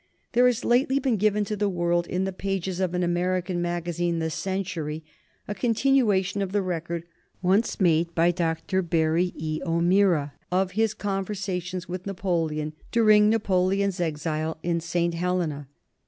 There has lately been given to the world in the pages of an American magazine, The Century, a continuation of the record once made by Dr. Barry E. O'Meara of his conversations with Napoleon during Napoleon's exile in St. Helena.